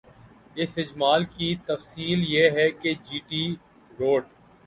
اس اجمال کی تفصیل یہ ہے کہ جی ٹی روڈ